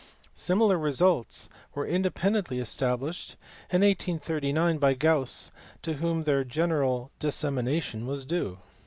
Similar results were independently established, in 1839 by Gauss to whom their general dissemination was due.